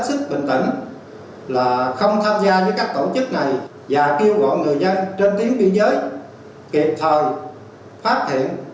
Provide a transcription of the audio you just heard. tổ chức bình tĩnh là không tham gia với các tổ chức này và kêu gọi người dân trên tiếng biên giới kịp thời phát hiện